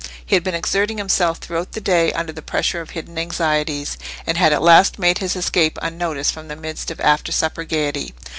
He had been exerting himself throughout the day under the pressure of hidden anxieties, and had at last made his escape unnoticed from the midst of after supper gaiety.